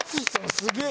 すげえ！